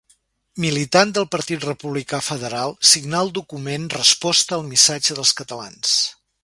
Militant del Partit Republicà Federal, signà el document Resposta al missatge dels catalans.